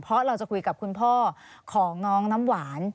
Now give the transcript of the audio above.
เพราะเราจะคุยกับคุณพ่อของน้องน้ำหวาน